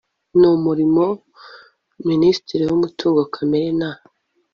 n Umurimo Minisitiri w Umutungo Kamere na